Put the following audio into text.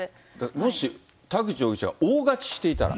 もし田口容疑者が大勝ちしていたら。